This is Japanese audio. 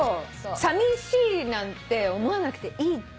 さみしいなんて思わなくていいって。